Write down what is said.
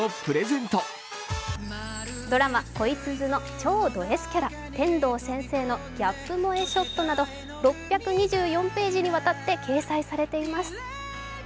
ドラマ「恋つづ」の超ドＳキャラ、天堂先生のギャップ萌えショットなど、６２４ページにわたって掲載されています。